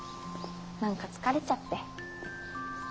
何か疲れちゃって。